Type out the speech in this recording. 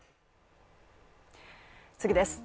次です。